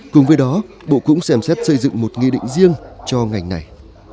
cùng với đó bộ cũng xem xét xây dựng một nghị định riêng cho ngành này